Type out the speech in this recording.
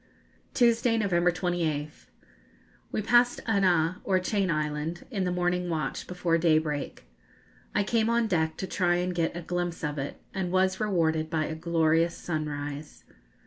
_ Tuesday, November 28th. We passed Anaa, or Chain Island, in the morning watch, before daybreak. I came on deck to try and get a glimpse of it, and was rewarded by a glorious sunrise.